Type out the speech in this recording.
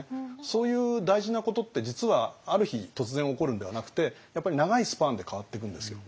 そういう大事なことって実はある日突然起こるんではなくてやっぱり長いスパンで変わっていくんですよ。